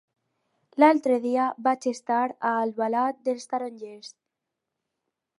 L'altre dia vaig estar a Albalat dels Tarongers.